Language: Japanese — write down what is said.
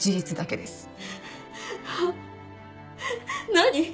何？